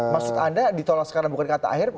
maksud anda ditolak sekarang bukan kata akhir